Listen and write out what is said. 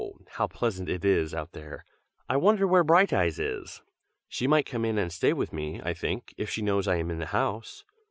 how pleasant it is out there! I wonder where Brighteyes is! She might come in and stay with me, I think, if she knows I am in the house."